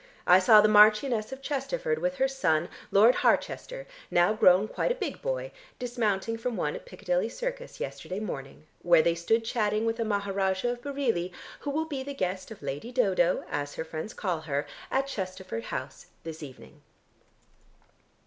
I saw the Marchioness of Chesterford with her son, Lord Harchester, now grown quite a big boy, dismounting from one at Piccadilly Circus yesterday morning, where they stood chatting with the Maharajah of Bareilly who will be the guest of Lady Dodo (as her friends call her) at Chesterford House this evening."